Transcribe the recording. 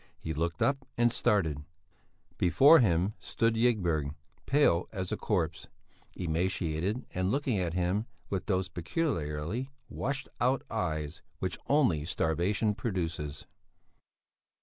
He looked up and started: before him stood Ygberg, pale as a corpse, emaciated and looking at him with those peculiarly washed out eyes which only starvation produces.